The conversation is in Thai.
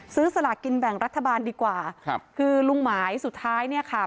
สลากินแบ่งรัฐบาลดีกว่าครับคือลุงหมายสุดท้ายเนี่ยค่ะ